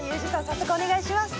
早速お願いします。